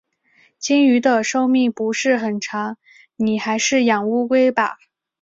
金鱼的寿命不是很长，你还是养乌龟吧。